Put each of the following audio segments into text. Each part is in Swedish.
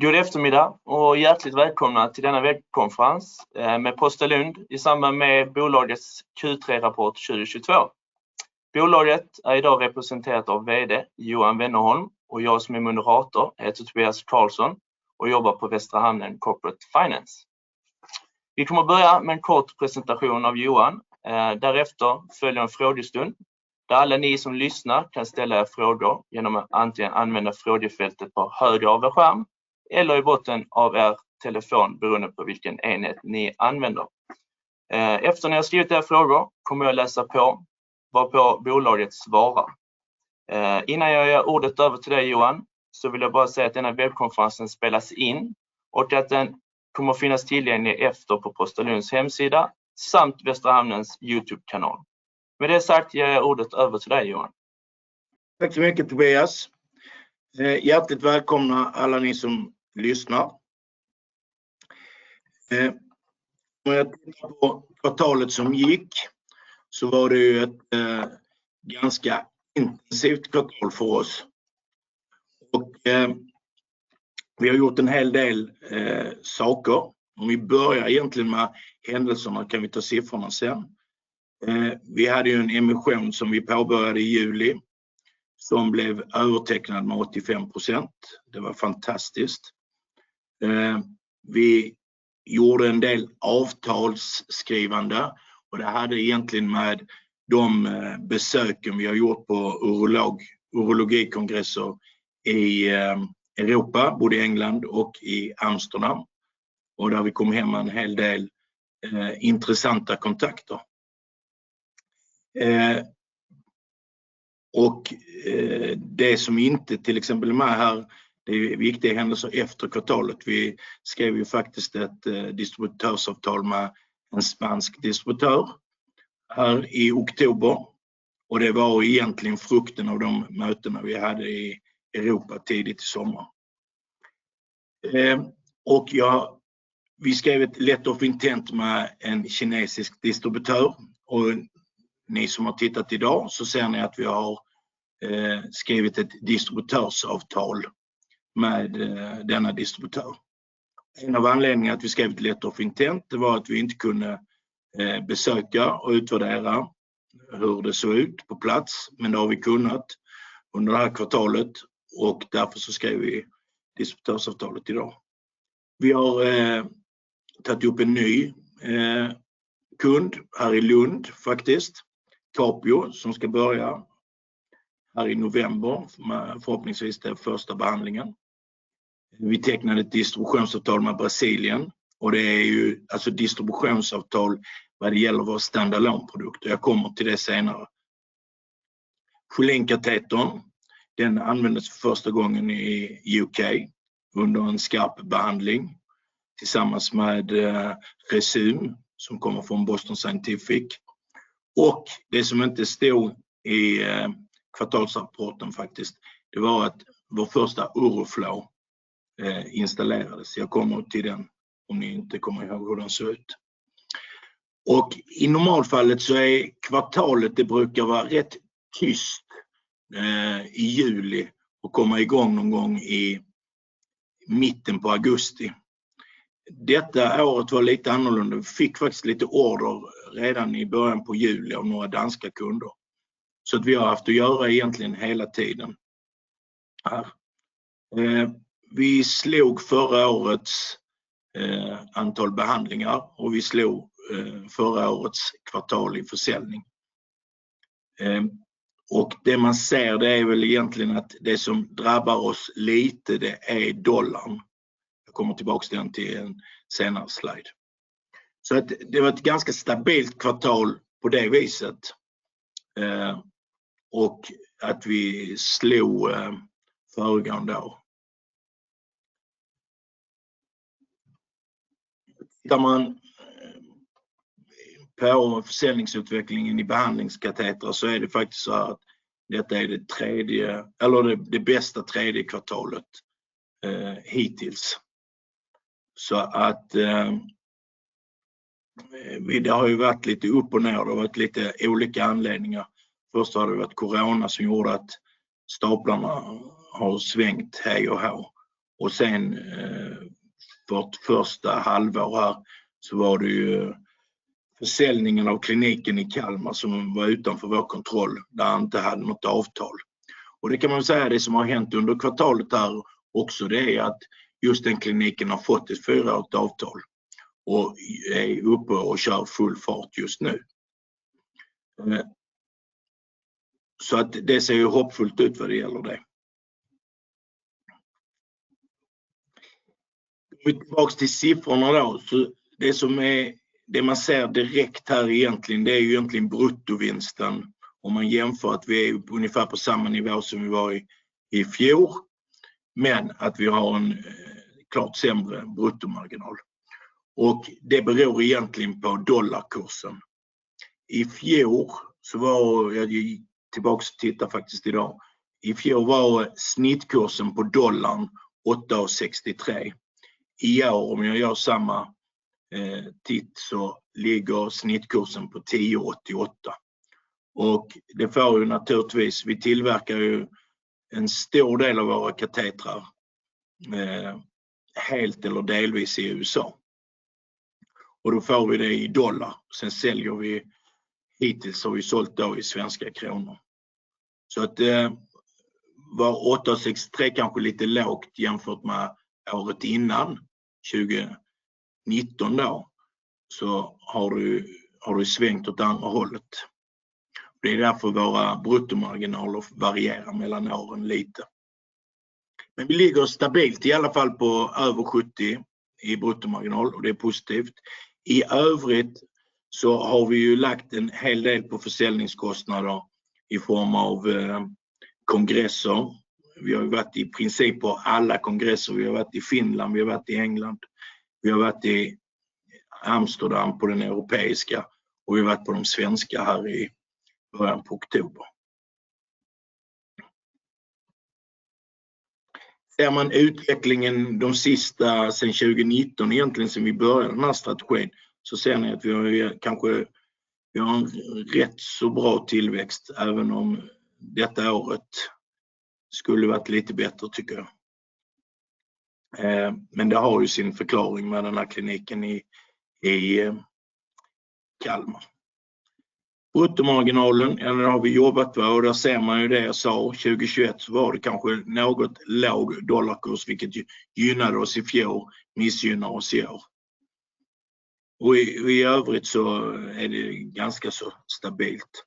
God eftermiddag och hjärtligt välkomna till denna webbkonferens med ProstaLund i samband med bolagets Q3-rapport 2022. Bolaget är i dag representerat av VD Johan Wennerholm och jag som är moderator heter Tobias Karlsson och jobbar på Västra Hamnen Corporate Finance. Vi kommer att börja med en kort presentation av Johan. Därefter följer en frågestund där alla ni som lyssnar kan ställa era frågor genom att antingen använda frågefältet på höger av er skärm eller i botten av er telefon, beroende på vilken enhet ni använder. Efter ni har skrivit era frågor kommer jag läsa på varpå bolaget svarar. Innan jag ger ordet över till dig Johan, så vill jag bara säga att denna webbkonferensen spelas in och att den kommer att finnas tillgänglig efter på ProstaLunds hemsida samt Västra Hamnens YouTube-kanal. Med det sagt ger jag ordet över till dig Johan. Tack så mycket Tobias. Hjärtligt välkomna alla ni som lyssnar. Om jag tänker på kvartalet som gick så var det ju ett ganska intensivt kvartal för oss. Vi har gjort en hel del saker. Om vi börjar egentligen med händelserna kan vi ta siffrorna sen. Vi hade ju en emission som vi påbörjade i juli som blev övertecknad med 85%. Det var fantastiskt. Vi gjorde en del avtalsskrivande och det hade egentligen med de besöken vi har gjort på urologkongresser i Europa, både i England och i Amsterdam. Där vi kom hem med en hel del intressanta kontakter. Det som inte till exempel är med här, det är viktiga händelser efter kvartalet. Vi skrev ju faktiskt ett distributörsavtal med en spansk distributör här i oktober och det var egentligen frukten av de mötena vi hade i Europa tidigt i sommar. Ja, vi skrev ett Letter of Intent med en kinesisk distributör och ni som har tittat i dag så ser ni att vi har skrivit ett distributörsavtal med denna distributör. En av anledningarna att vi skrev ett Letter of Intent, det var att vi inte kunde besöka och utvärdera hur det såg ut på plats, men det har vi kunnat under det här kvartalet och därför så skrev vi distributörsavtalet i dag. Vi har tagit upp en ny kund här i Lund faktiskt, Capio, som ska börja här i november med förhoppningsvis den första behandlingen. Vi tecknade ett distributionsavtal med Brasilien och det är ju alltså distributionsavtal vad det gäller vår stand-alone-produkt. Jag kommer till det senare. Schelin-katetern, den användes för första gången i U.K. under en skarp behandling tillsammans med Rezum som kommer från Boston Scientific. Det som inte stod i kvartalsrapporten faktiskt, det var att vår första Oruflow installerades. Jag kommer till den om ni inte kommer ihåg hur den ser ut. I normalfallet så är kvartalet, det brukar vara rätt tyst i juli och komma i gång någon gång i mitten på augusti. Detta året var lite annorlunda. Vi fick faktiskt lite order redan i början på juli av några danska kunder. Att vi har haft att göra egentligen hela tiden här. Vi slog förra årets antal behandlingar och vi slog förra årets kvartal i försäljning. Det man ser, det är väl egentligen att det som drabbar oss lite, det är dollarn. Jag kommer tillbaka till den till en senare slide. Det var ett ganska stabilt kvartal på det viset. Vi slog föregående år. Tittar man på försäljningsutvecklingen i behandlingskateter så är det faktiskt såhär att detta är det tredje eller det bästa tredje kvartalet hittills. Det har ju varit lite upp och ner, det har varit lite olika anledningar. Först har det varit corona som gjorde att staplarna har svängt hej och hå. Vårt första halvår här så var det ju försäljningen av kliniken i Kalmar som var utanför vår kontroll, där han inte hade något avtal. Det kan man väl säga, det som har hänt under kvartalet här också, det är att just den kliniken har fått ett fyraårigt avtal och är uppe och kör full fart just nu. Det ser ju hoppfullt ut vad det gäller det. Tillbaka till siffrorna då. Det som är, det man ser direkt här egentligen, det är ju egentligen bruttovinsten. Om man jämför att vi är ungefär på samma nivå som vi var i fjol, men att vi har en klart sämre bruttomarginal. Det beror egentligen på dollarkursen. I fjol så var, jag gick tillbaka och tittade faktiskt i dag. I fjol var snittkursen på dollarn 8.63. I år, om jag gör samma titt, så ligger snittkursen på 10.88. Det får ju naturligtvis, vi tillverkar ju en stor del av våra katetrar helt eller delvis i USA. Då får vi det i dollar. Vi säljer, hittills har vi sålt då i svenska kronor. Så att var 8.63 kanske lite lågt jämfört med året innan, 2019 då, så har det svängt åt andra hållet. Det är därför våra bruttomarginaler varierar mellan åren lite. Vi ligger stabilt i alla fall på över 70% i bruttomarginal och det är positivt. I övrigt så har vi ju lagt en hel del på försäljningskostnader i form av kongresser. Vi har ju varit i princip på alla kongresser. Vi har varit i Finland, vi har varit i England, vi har varit i Amsterdam på den europeiska och vi har varit på de svenska här i början på oktober. Ser man utvecklingen de senaste sen 2019, egentligen sen vi började den här strategin, så ser ni att vi har kanske, vi har en rätt så bra tillväxt även om detta året skulle varit lite bättre tycker jag. Det har ju sin förklaring med den här kliniken i Kalmar. Bruttomarginalen, eller har vi jobbat på och där ser man ju det jag sa. 2021 så var det kanske något låg dollarkurs, vilket ju gynnade oss i fjol, missgynnar oss i år. I övrigt så är det ganska så stabilt.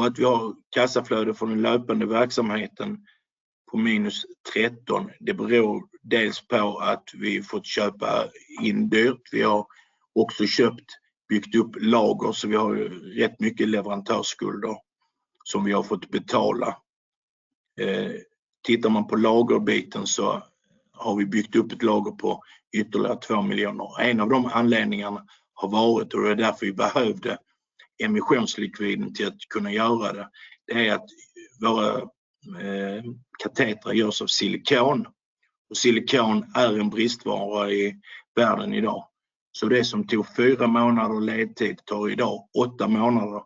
Att vi har kassaflöde från den löpande verksamheten på SEK -13 million, det beror dels på att vi fått köpa in dyrt. Vi har också köpt, byggt upp lager, så vi har ju rätt mycket leverantörsskulder som vi har fått betala. Tittar man på lagerbiten så har vi byggt upp ett lager på ytterligare SEK 2 million. En av de anledningarna har varit, och det är därför vi behövde emissionslikviden till att kunna göra det är att våra katetrar görs av silikon. Silikon är en bristvara i världen i dag. Det som tog 4 månader ledtid tar i dag 8 månader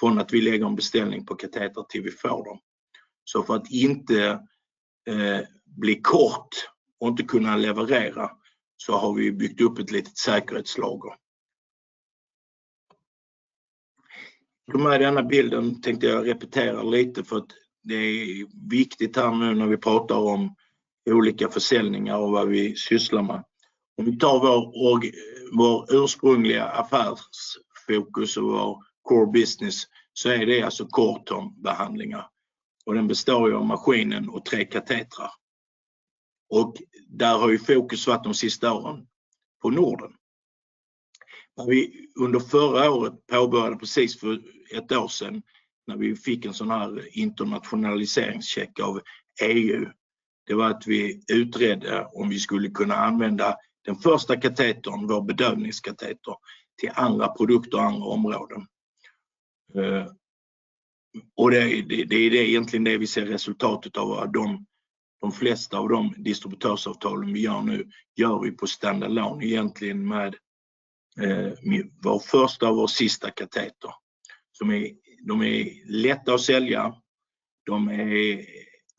från att vi lägger en beställning på kateter tills vi får dem. För att inte bli kort och inte kunna leverera så har vi byggt upp ett litet säkerhetslager. Med denna bilden tänkte jag repetera lite för att det är viktigt här nu när vi pratar om olika försäljningar och vad vi sysslar med. Om vi tar vår ursprungliga affärsfokus och vår core business, så är det alltså CoreTherm behandlingar. Den består ju av maskinen och 3 katetrar. Där har ju fokus varit de sista åren på Norden. När vi under förra året påbörjade precis för 1 år sedan när vi fick en sån här internationaliseringscheck av EU. Det var att vi utredde om vi skulle kunna använda den första katetern, vår bedövningskateter, till andra produkter och andra områden. Det är egentligen det vi ser resultatet av, de flesta av distributörsavtalen vi gör nu. Vi gör dem på standard LOI egentligen med vår första och vår sista kateter. De är lätta att sälja, de är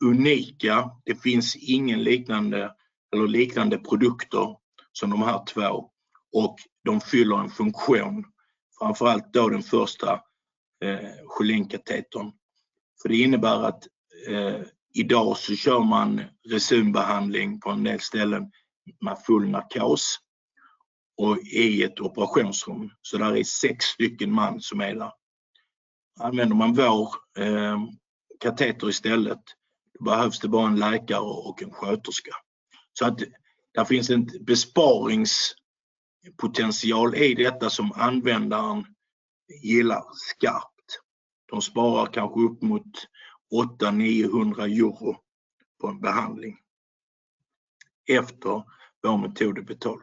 unika. Det finns ingen liknande produkter som de här två och de fyller en funktion, framför allt den första Schelin-katetern. Det innebär att idag kör man Rezum-behandling på en del ställen med full narkos och i ett operationsrum. Där är 6 stycken man som är där. Använder man vår kateter istället behövs det bara en läkare och en sköterska. Där finns en besparingspotential i detta som användaren gillar skarpt. De sparar kanske upp mot EUR 800-900 på en behandling efter vår metod är betald.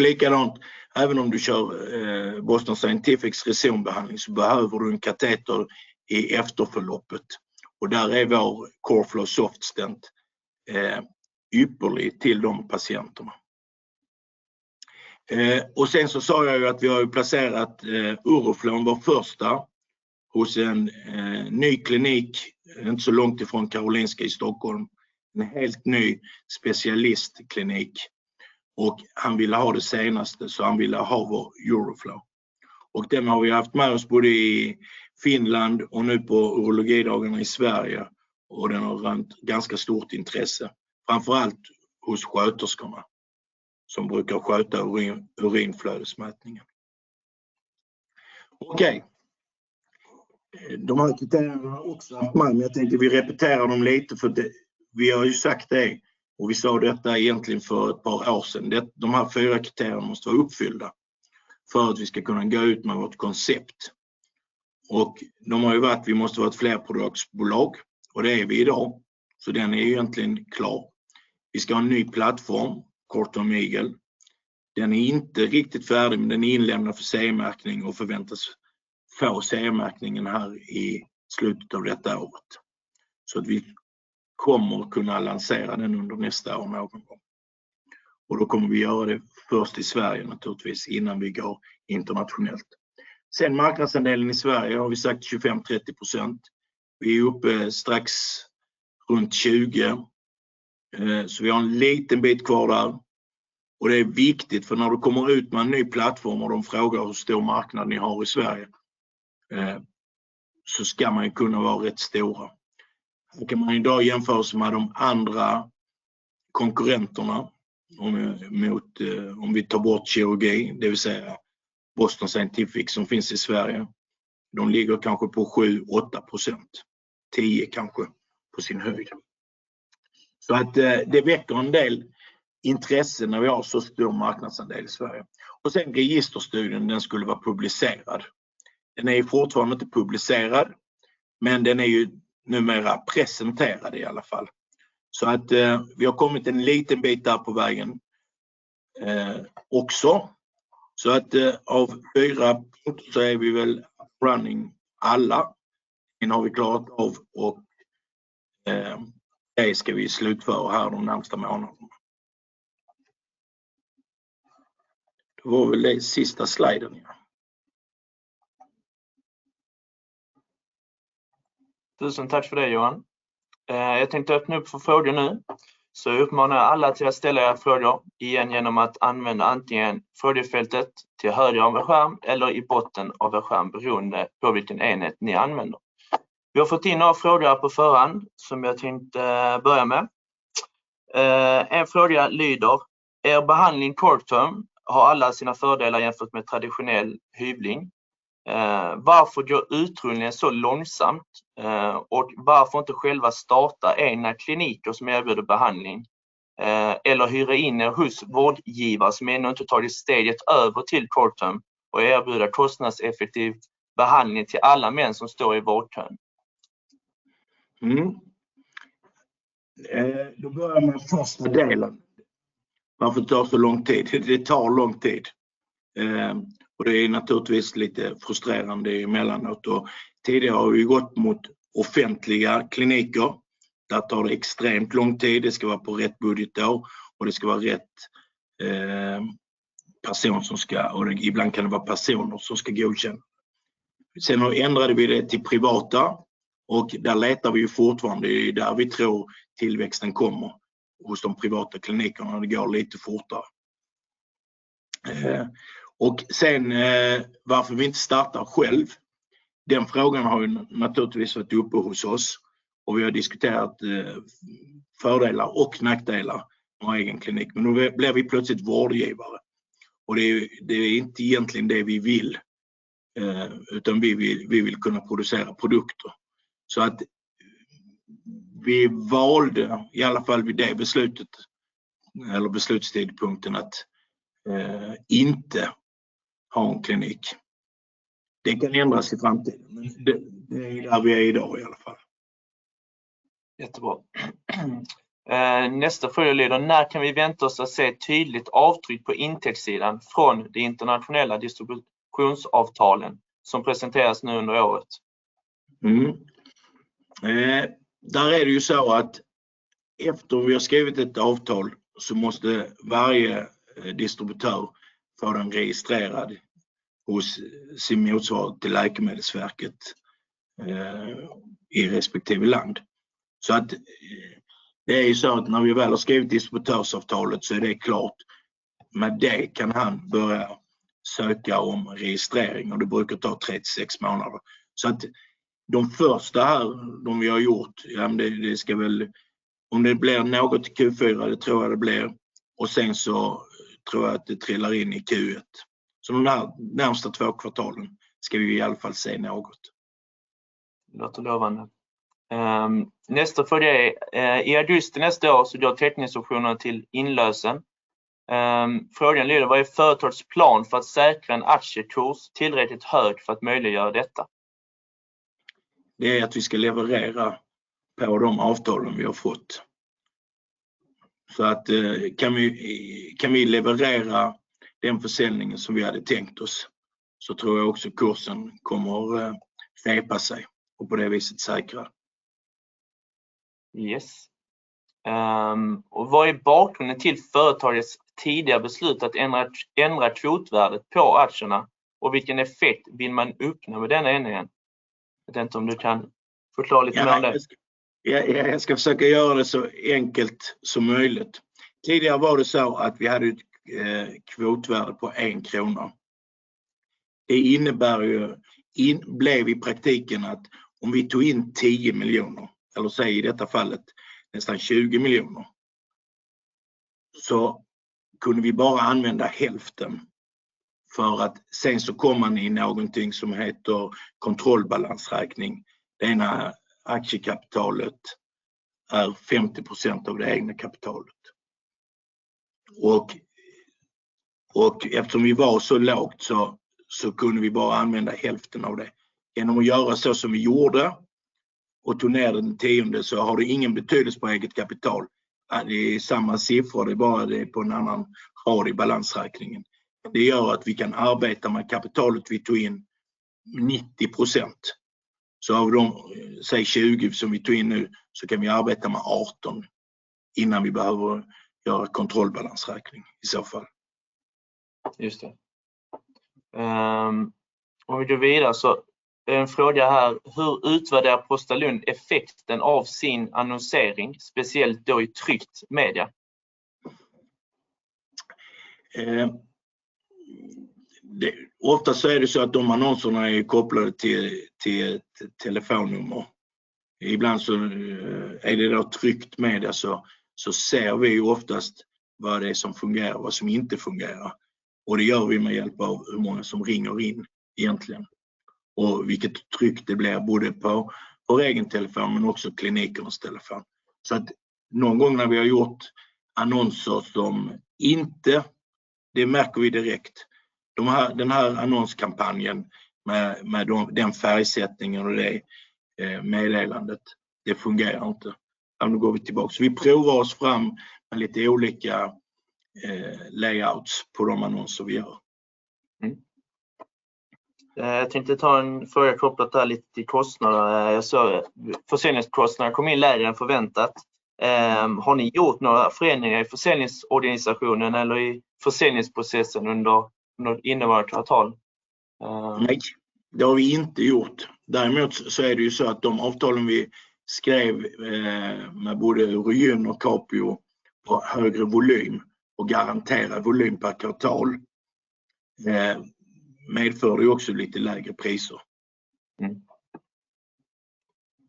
Likadant, även om du kör Boston Scientific's Rezum-behandling, så behöver du en kateter i efterförloppet. Där är vår CoreFlow Soft Stent ypperlig till de patienterna. Sen så sa jag att vi har placerat OruFlow, vår första hos en ny klinik, inte så långt ifrån Karolinska i Stockholm, en helt ny specialistklinik. Han ville ha det senaste, så han ville ha vår OruFlow. Den har vi haft med oss både i Finland och nu på Urologidagarna i Sverige och den har väckt ganska stort intresse, framför allt hos sköterskorna som brukar sköta urinflödesmätningen. Okej, de här kriterierna har också varit med, men jag tänkte vi repeterar dem lite för vi har ju sagt det och vi sa detta egentligen för ett par år sedan. De här fyra kriterierna måste vara uppfyllda för att vi ska kunna gå ut med vårt koncept. De har ju varit, vi måste vara ett flerproduktsbolag och det är vi i dag. Den är egentligen klar. Vi ska ha en ny plattform, kortom Eagle. Den är inte riktigt färdig, men den är inlämnad för CE-märkning och förväntas få CE-märkningen här i slutet av detta året. Vi kommer att kunna lansera den under nästa år i omgångar. Då kommer vi göra det först i Sverige naturligtvis innan vi går internationellt. Marknadsandelen i Sverige har vi sagt 25%-30%. Vi är uppe strax runt 20. Vi har en liten bit kvar där och det är viktigt för när du kommer ut med en ny plattform och de frågar hur stor marknad ni har i Sverige, så ska man kunna vara rätt stora. Här kan man i dag jämföra sig med de andra konkurrenterna om vi tar bort kirurgi, det vill säga Boston Scientific som finns i Sverige. De ligger kanske på 7-8%, 10% kanske på sin höjd. Det väcker en del intresse när vi har så stor marknadsandel i Sverige. Registerstudien skulle vara publicerad. Den är fortfarande inte publicerad, men den är ju numera presenterad i alla fall. Vi har kommit en liten bit där på vägen också. Av fyra punkter så är vi väl running alla. En har vi klarat av och det ska vi slutföra här de närmaste månaderna. Det var väl det sista sliden ja. Tusen tack för det Johan. Jag tänkte öppna upp för frågor nu. Jag uppmanar alla till att ställa era frågor igen genom att använda antingen frågefältet till höger om er skärm eller i botten av er skärm beroende på vilken enhet ni använder. Vi har fått in några frågor på förhand som jag tänkte börja med. En fråga lyder: Er behandling CoreTherm har alla sina fördelar jämfört med traditionell hyvling. Varför går utrullningen så långsamt? Och varför inte själva starta egna kliniker som erbjuder behandling? Eller hyra in er hos vårdgivare som ännu inte tagit steget över till CoreTherm och erbjuda kostnadseffektiv behandling till alla män som står i vårdkö? Då börjar jag med första delen. Varför det tar så lång tid? Det tar lång tid. Det är naturligtvis lite frustrerande emellanåt. Tidigare har vi gått mot offentliga kliniker. Där tar det extremt lång tid. Det ska vara på rätt budgetår och det ska vara rätt person som ska, och ibland kan det vara personer som ska godkänna. Sen ändrade vi det till privata och där letar vi ju fortfarande. Det är där vi tror tillväxten kommer hos de privata klinikerna. Det går lite fortare. Sen varför vi inte startar själv. Den frågan har ju naturligtvis varit uppe hos oss och vi har diskuterat fördelar och nackdelar med egen klinik. Men då blir vi plötsligt vårdgivare. Det är ju det är inte egentligen det vi vill, utan vi vill kunna producera produkter. Vi valde i alla fall vid det beslutet eller beslutstidpunkten att inte ha en klinik. Det kan ändras i framtiden, men det är där vi är i dag i alla fall. Jättebra. Nästa fråga lyder: När kan vi vänta oss att se tydligt avtryck på intäktssidan från de internationella distributionsavtalen som presenteras nu under året? Där är det ju så att efter vi har skrivit ett avtal så måste varje distributör få den registrerad hos sin motsvarighet till Läkemedelsverket i respektive land. Det är ju så att när vi väl har skrivit distributörsavtalet så är det klart. Med det kan han börja söka om registrering och det brukar ta 3-6 månader. De första här, de vi har gjort, det ska väl bli något i Q4. Det tror jag det blir. Sen tror jag att det trillar in i Q1. De här närmaste 2 kvartalen ska vi i alla fall se något. Låter lovande. Nästa fråga är: I augusti nästa år så går teckningoptionerna till inlösen. Frågan lyder: Vad är företagets plan för att säkra en aktiekurs tillräckligt hög för att möjliggöra detta? Det är att vi ska leverera på de avtalen vi har fått. För att kan vi leverera den försäljningen som vi hade tänkt oss, så tror jag också kursen kommer sätta sig och på det viset säkra. Ja. Vad är bakgrunden till företagets tidiga beslut att ändra kvotvärdet på aktierna och vilken effekt vill man uppnå med denna ändringen? Jag vet inte om du kan förklara lite mer om det. Jag ska försöka göra det så enkelt som möjligt. Tidigare var det så att vi hade ett kvotvärde på SEK 1. Det innebär ju blev i praktiken att om vi tog in SEK 10 million eller säg i detta fallet nästan SEK 20 million, så kunde vi bara använda hälften. För att sen så kommer ni någonting som heter kontrollbalansräkning. Det ena aktiekapitalet är 50% av det egna kapitalet. Eftersom vi var så lågt så kunde vi bara använda hälften av det. Genom att göra så som vi gjorde och tog ner till en tiondel så har det ingen betydelse på eget kapital. Det är samma siffror, det är bara det på en annan rad i balansräkningen. Det gör att vi kan arbeta med kapitalet vi tog in 90%. Av de, säg SEK 20 som vi tog in nu, så kan vi arbeta med SEK 18 innan vi behöver göra kontrollbalansräkning i så fall. Just det. Om vi går vidare så, en fråga här: Hur utvärderar ProstaLund effekten av sin annonsering, speciellt då i tryckt media? Oftast så är det så att de annonserna är kopplade till ett telefonnummer. Ibland så är det då tryckt media så ser vi oftast vad det är som fungerar, vad som inte fungerar. Det gör vi med hjälp av hur många som ringer in egentligen och vilket tryck det blir både på vår egen telefon men också klinikernas telefon. Så att någon gång när vi har gjort annonser som inte, det märker vi direkt. Den här annonskampanjen med den färgsättningen och det meddelandet, det fungerar inte. Då går vi tillbaka. Vi provar oss fram med lite olika layouts på de annonser vi gör. Jag tänkte ta en fråga kopplat där lite till kostnader. Jag såg försäljningskostnad kom in lägre än förväntat. Har ni gjort några förändringar i försäljningsorganisationen eller i försäljningsprocessen under innevarande kvartal? Nej, det har vi inte gjort. Däremot så är det ju så att de avtalen vi skrev med både Region och Capio på högre volym och garanterad volym per kvartal medförde ju också lite lägre priser.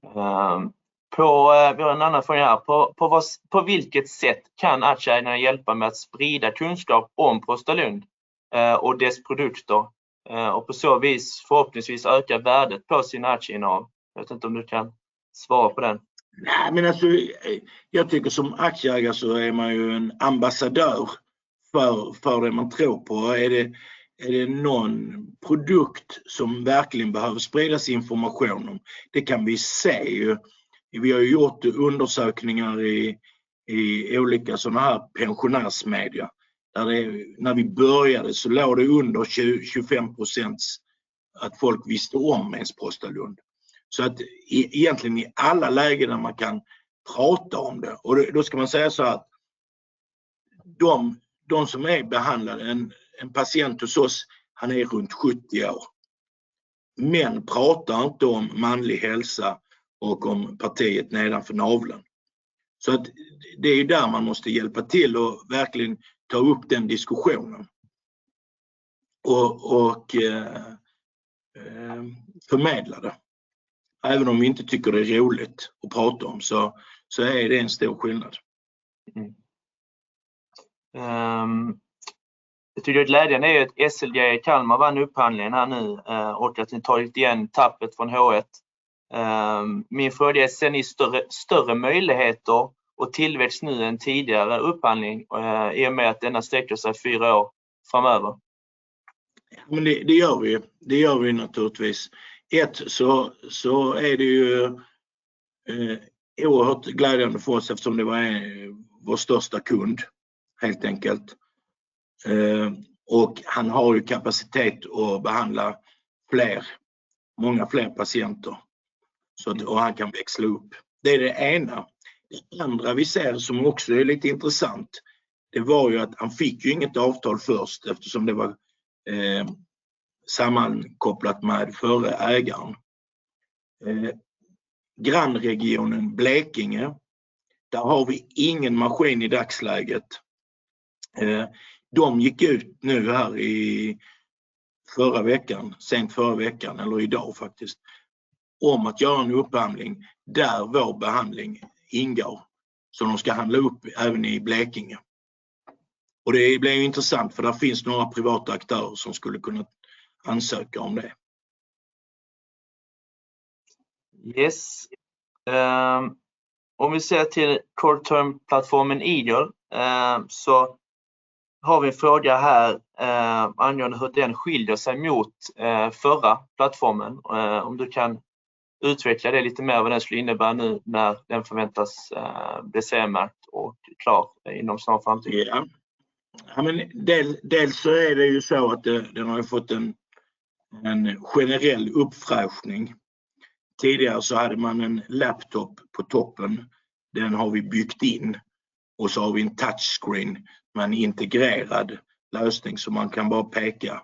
Vi har en annan fråga här. På vilket sätt kan aktieägarna hjälpa med att sprida kunskap om ProstaLund och dess produkter och på så vis förhoppningsvis öka värdet på sina aktieinnehav? Jag vet inte om du kan svara på den. Nej, men alltså, jag tycker som aktieägare så är man ju en ambassadör för det man tror på. Är det någon produkt som verkligen behöver spridas information om? Det kan vi se ju. Vi har gjort undersökningar i olika sådana här pensionärsmedia. Där det, när vi började så låg det under 25% att folk visste om ens ProstaLund. Så att egentligen i alla lägen där man kan prata om det. Då ska man säga så att de som är behandlade, en patient hos oss, han är runt 70 år. Män pratar inte om manlig hälsa och om partiet nedanför naveln. Så att det är där man måste hjälpa till och verkligen ta upp den diskussionen. Och förmedla det. Även om vi inte tycker det är roligt att prata om, så är det en stor skillnad. Jag tycker att glädjen är att SLGA i Kalmar vann upphandlingen här nu och att ni tar lite igen tappet från H1. Min fråga är: Ser ni större möjligheter och tillväxt nu än tidigare upphandling i och med att denna sträcker sig fyra år framöver? Det gör vi naturligtvis. Är det ju oerhört glädjande för oss eftersom det var vår största kund, helt enkelt. Han har ju kapacitet att behandla fler, många fler patienter. Han kan växla upp. Det är det ena. Det andra vi ser som också är lite intressant, det var ju att han fick ju inget avtal först eftersom det var sammankopplat med förre ägaren. Grannregionen Blekinge, där har vi ingen maskin i dagsläget. De gick ut nu här i förra veckan, sent förra veckan eller i dag faktiskt, om att göra en upphandling där vår behandling ingår. De ska handla upp även i Blekinge. Det blir intressant för där finns några privata aktörer som skulle kunnat ansöka om det. Yes. Om vi ser till CoreTherm Eagle, så har vi en fråga här, angående hur den skiljer sig mot, förra plattformen. Om du kan utveckla det lite mer vad den skulle innebära nu när den förväntas, bli CE-märkt och klar inom snar framtid. Men dels så är det ju så att den har ju fått en generell uppfräschning. Tidigare så hade man en laptop på toppen. Den har vi byggt in och så har vi en touch screen med en integrerad lösning så man kan bara peka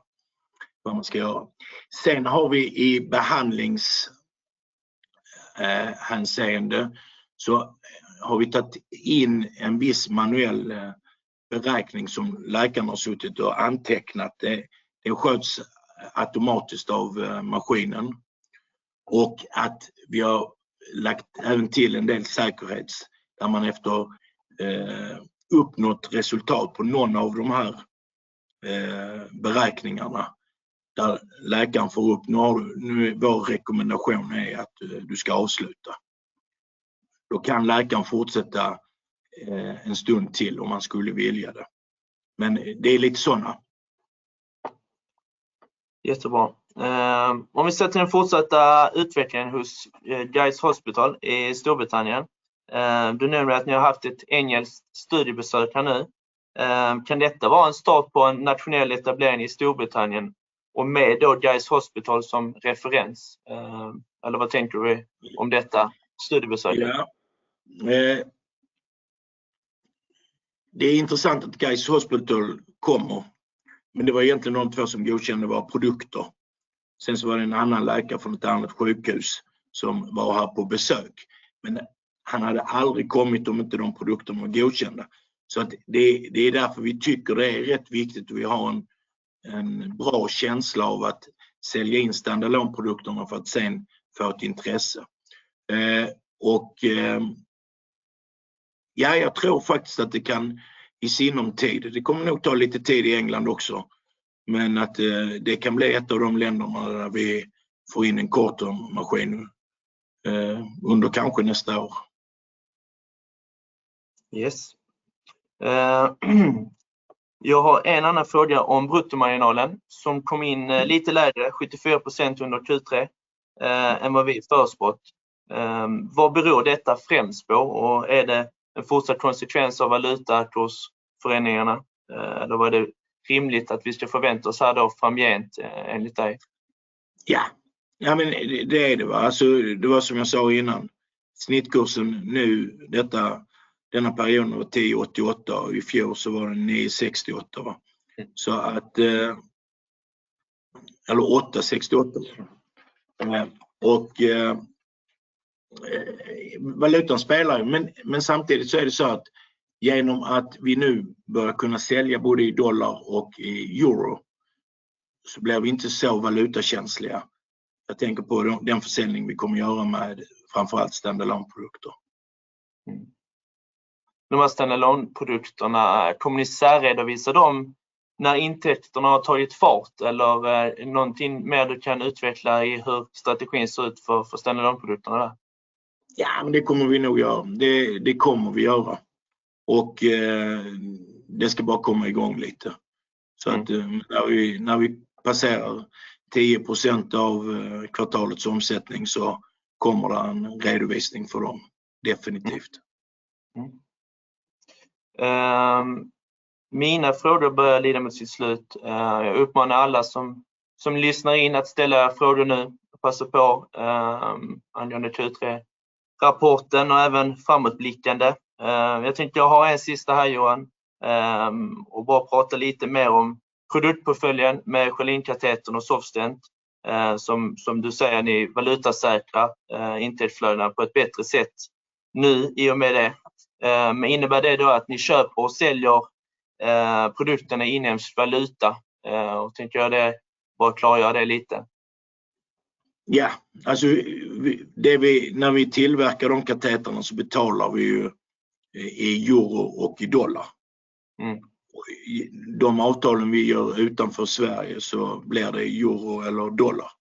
vad man ska göra. Sen har vi i behandlingshänseende så har vi tagit in en viss manuell beräkning som läkaren har suttit och antecknat. Det skötes automatiskt av maskinen och vi har lagt även till en del säkerhets där man efter uppnått resultat på någon av de här beräkningarna, där läkaren får upp när du nu vår rekommendation är att du ska avsluta. Då kan läkaren fortsätta en stund till om man skulle vilja det. Men det är lite sådana. Jättebra. Om vi ser till den fortsatta utvecklingen hos Guy's Hospital i Storbritannien. Du nämner att ni har haft ett engelskt studiebesök här nu. Kan detta vara en start på en nationell etablering i Storbritannien och med då Guy's Hospital som referens? Eller vad tänker du om detta studiebesök? Ja. Det är intressant att Guy's Hospital kommer, men det var egentligen de två som godkände våra produkter. Det var en annan läkare från ett annat sjukhus som var här på besök. Han hade aldrig kommit om inte de produkterna var godkända. Det är därför vi tycker det är rätt viktigt och vi har en bra känsla av att sälja in stand-alone produkterna för att sen få ett intresse. Jag tror faktiskt att det kan i sinom tid, det kommer nog ta lite tid i England också. Att det kan bli ett av de länderna där vi får in en CoreTherm-maskin under kanske nästa år. Yes. Jag har en annan fråga om bruttomarginalen som kom in lite lägre, 74% under Q3, än vad vi förspått. Vad beror detta främst på? Och är det en fortsatt konsekvens av valutakursförändringarna? Då var det rimligt att vi ska förvänta oss det framgent enligt dig? Ja, men det är det va. Alltså, det var som jag sa innan, snittkursen nu denna perioden var SEK 10.88. I fjol var det SEK 9.68 va, eller SEK 8.68. Valutan spelar, men samtidigt är det så att genom att vi nu börja kunna sälja både i dollar och i euro så blir vi inte så valutakänsliga. Jag tänker på den försäljning vi kommer göra med framför allt stand-alone produkter. De här stand-alone-produkterna, kommer ni särredovisa dem när intäkterna har tagit fart? Eller någonting mer du kan utveckla i hur strategin ser ut för stand-alone-produkterna där? Ja, det kommer vi nog göra. Det kommer vi göra och det ska bara komma igång lite. Att när vi passerar 10% av kvartalets omsättning så kommer det en redovisning för dem. Definitivt. Mina frågor börjar lida mot sitt slut. Jag uppmanar alla som lyssnar in att ställa frågor nu. Passa på angående Q3-rapporten och även framåtblickande. Jag tänkte jag har en sista här Johan. Bara prata lite mer om produktportföljen med Schelin-katetern och Soft Stent. Som du säger, ni valutasäkrar intäktsflödena på ett bättre sätt nu i och med det. Innebär det då att ni köper och säljer produkterna inhemsk valuta och tänker jag det, bara klargöra det lite. Ja, alltså, det vi, när vi tillverkar de katetrarna så betalar vi ju i euro och i dollar. De avtalen vi gör utanför Sverige så blir det i euro eller dollar.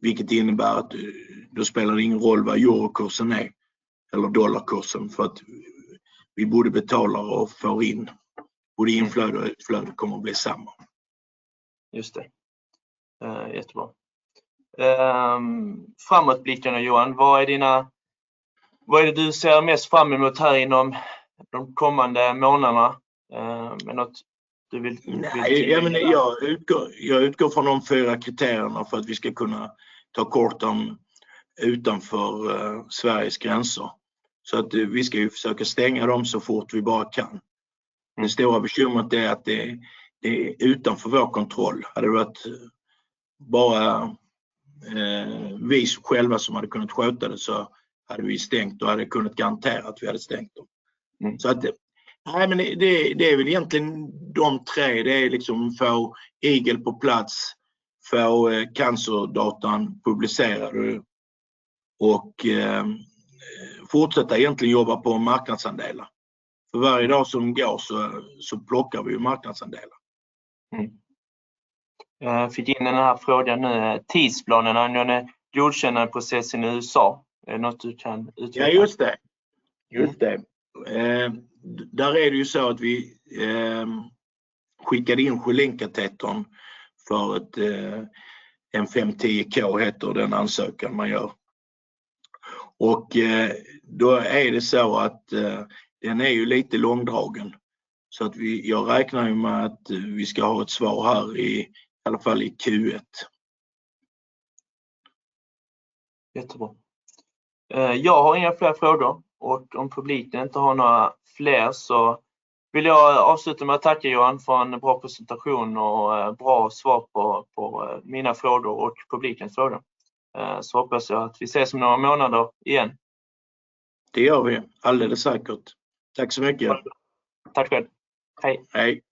Vilket innebär att då spelar det ingen roll vad eurokursen är eller dollarkursen för att vi både betalar och får in, både inflöde och utflöde kommer att bli samma. Just det. Jättebra. Framåtblickande Johan, vad är det du ser mest fram emot här inom de kommande månaderna? Är det något du vill? Nej, jag utgår från de fyra kriterierna för att vi ska kunna ta CoreTherm utanför Sveriges gränser. Vi ska ju försöka stänga dem så fort vi bara kan. Det stora bekymret är att det är utanför vår kontroll. Hade det varit bara vi själva som hade kunnat sköta det så hade vi stängt och hade kunnat garantera att vi hade stängt dem. Nej men det är väl egentligen de tre. Det är liksom få Eagle på plats, få cancerdatan publicerad och fortsätta jobba på marknadsandelar. För varje dag som går så plockar vi marknadsandelar. Fick in den här frågan nu. Tidsplanen angående godkännandeprocessen i USA. Är det något du kan utveckla? Ja, just det. Där är det ju så att vi skickade in Schelin-katetern för en 510K, heter den ansökan man gör. Då är det så att den är ju lite långdragen. Jag räknar med att vi ska ha ett svar här i alla fall i Q1. Jättebra. Jag har inga fler frågor och om publiken inte har några fler så vill jag avsluta med att tacka Johan för en bra presentation och bra svar på mina frågor och publikens frågor. Hoppas jag att vi ses om några månader igen. Det gör vi alldeles säkert. Tack så mycket. Tack själv. Hej. Hej.